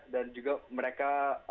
dan juga mereka